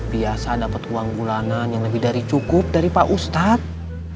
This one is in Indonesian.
biasa dapat uang bulanan yang lebih dari cukup dari pak ustadz